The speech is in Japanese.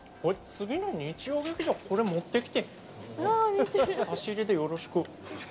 次の日曜劇場、これ持って来似てる！